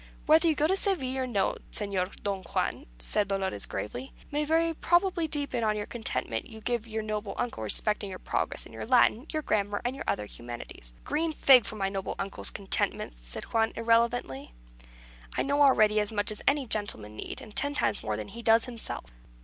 "Whether you go to Seville or no, Señor Don Juan," said Dolores, gravely, "may very probably depend on the contentment you give your noble uncle respecting your progress in your Latin, your grammar, and your other humanities." "A green fig for my noble uncle's contentment!" said Juan, irreverently. "I know already as much as any gentleman need, and ten times more than he does himself."